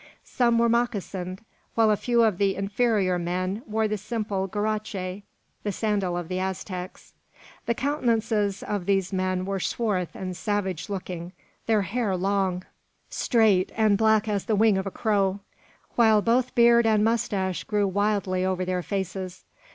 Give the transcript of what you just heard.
Some were moccasined; while a few of the inferior men wore the simple guarache, the sandal of the Aztecs. The countenances of these men were swarth and savage looking, their hair long, straight, and black as the wing of a crow; while both beard and moustache grew wildly over their faces.